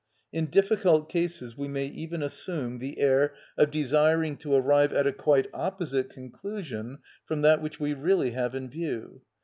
In difficult cases we may even assume the air of desiring to arrive at a quite opposite conclusion from that which we really have in view.